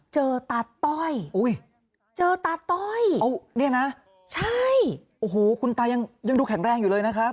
เจอตาต้อยโอ้โฮจะตาต้อยใช่